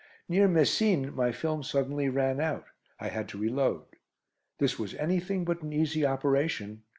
Near Messines my film suddenly ran out. I had to reload. This was anything but an easy operation.